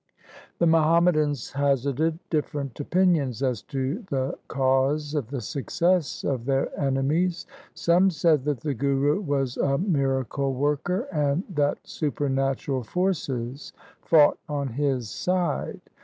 The Muhammadans hazarded different opinions as to the cause of the success of their enemies. Some said that the Guru was a miracle worker, and that supernatural forces fought on his side.